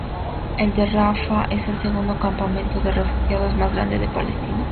El de Rafah es el segundo campamento de refugiados más grande de Palestina.